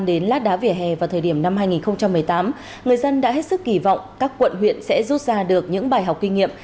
đến lát đá vỉa hè vào thời điểm năm hai nghìn một mươi tám người dân đã hết sức kỳ vọng các quận huyện sẽ rút ra được những bài học kinh nghiệm